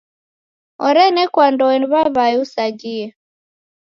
Orenekwandoe ni w'aw'ae usaghie.